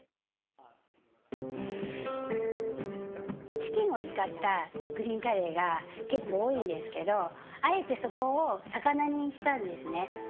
チキンを使ったグリーンカレーが結構多いんですけどあえてそこを魚にしたんですね。